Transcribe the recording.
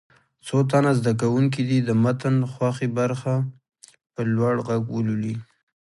څو تنه زده کوونکي دې د متن خوښې برخه په لوړ غږ ولولي.